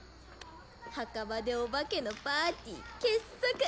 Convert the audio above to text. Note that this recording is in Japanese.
墓場でお化けのパーティー傑作！